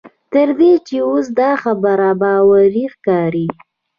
تر دې چې اوس دا خبره باوري ښکاري.